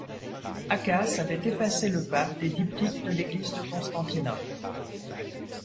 Acace avait effacé le pape des diptyques de l'Église de Constantinople.